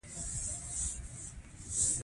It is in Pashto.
پړانګ سته؟